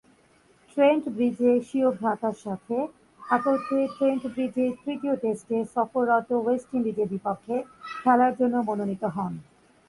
Trent ব্রিজে স্বীয় ভ্রাতার সাথে একত্রে ট্রেন্ট ব্রিজের তৃতীয় টেস্টে সফররত ওয়েস্ট ইন্ডিজের বিপক্ষে খেলার জন্যে মনোনীত হন।